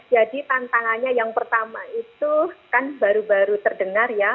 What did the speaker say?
jadi tantangannya yang pertama itu kan baru baru terdengar ya